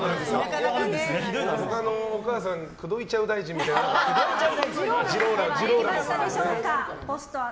他のお母さん口説いちゃう大臣まであった。